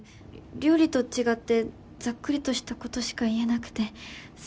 料理と違ってざっくりとしたことしか言えなくて。